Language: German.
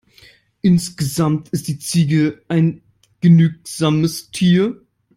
Insgesamt ist die Ziege ein genügsames Tier.